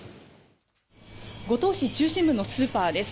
五島市中心部のスーパーです。